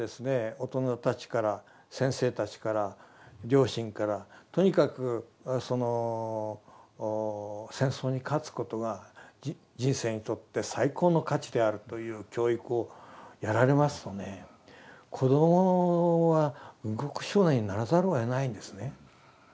大人たちから先生たちから両親からとにかくその戦争に勝つことが人生にとって最高の価値であるという教育をやられますとね子どもは軍国少年にならざるをえないんですね。